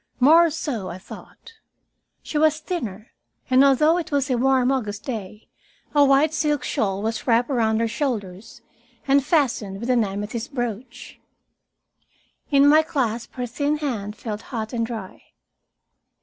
More so, I thought. She was thinner, and although it was a warm August day, a white silk shawl was wrapped around her shoulders and fastened with an amethyst brooch. In my clasp her thin hand felt hot and dry.